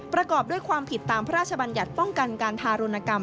ประกอบด้วยความผิดตามพระราชบัญญัติป้องกันการทารุณกรรม